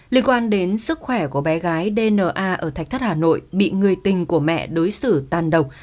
liên quan đến sức khỏe của bé gái dna ở thạch thất hà nội bị người tình của mẹ đối xử tàn độc